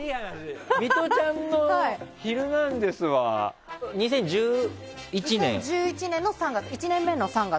ミトちゃんの「ヒルナンデス！」は２０１１年の３月。